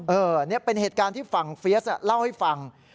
เนี่ยเป็นเหตุการณ์ที่ฝั่งเฟียสเล่าให้ฟัง